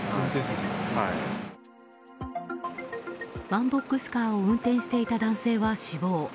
ワンボックスカーを運転していた男性は死亡。